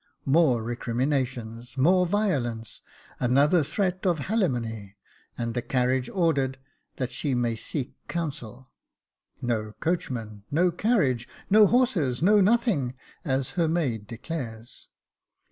More recriminations — more violence — another threat of /^alimony, and the carriage ordered, that she may seek counsel. No coachman — no carriage — no horses — no nothing, as her maid declares.